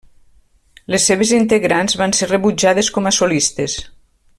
Les seves integrants van ser rebutjades com a solistes.